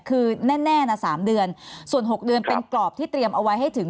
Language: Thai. คือแน่นะ๓เดือนส่วน๖เดือนเป็นกรอบที่เตรียมเอาไว้ให้ถึง